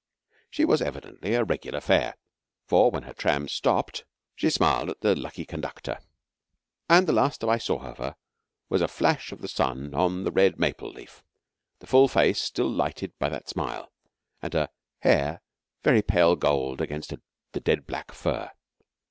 She was evidently a regular fare, for when her tram stopped she smiled at the lucky conductor; and the last I saw of her was a flash of the sun on the red maple leaf, the full face still lighted by that smile, and her hair very pale gold against the dead black fur.